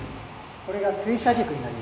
これが水車軸になります。